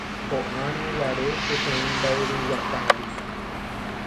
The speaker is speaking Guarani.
ho'árõguare peteĩ mba'yruguatágui